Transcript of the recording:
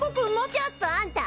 ちょっとあんた